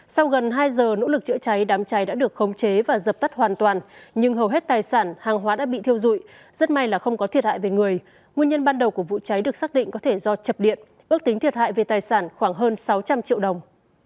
sau gần hai giờ nỗ lực chữa cháy đám cháy đã được khống chế và dập tắt hoàn toàn nhưng hầu hết tài sản hàng hóa đã bị thiêu dụi rất may là không có thiệt hại về người nguyên nhân ban đầu của vụ cháy được xác định có thể do chập điện ước tính thiệt hại về tài sản khoảng hơn sáu trăm linh triệu đồng